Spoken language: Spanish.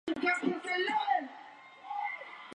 Se declara anticapitalista.